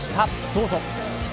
どうぞ。